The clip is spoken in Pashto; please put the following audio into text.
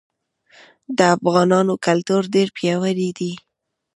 د افغانانو کلتور ډير پیاوړی دی.